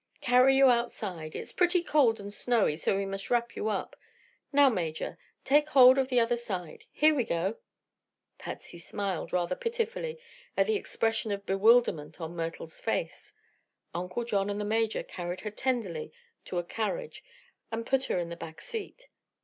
"Carry you outside. It's pretty cold and snowy, so we must wrap you up. Now, Major, take hold on the other side. Here we go!" Patsy smiled rather pitifully at the expression of bewilderment on Myrtle's face. Uncle John and the Major carried her tenderly to a carriage and put her in the back seat.